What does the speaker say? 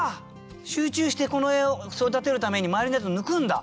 集中してこの辺を育てるために周りのやつを抜くんだ！